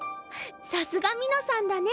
さすがみのさんだね。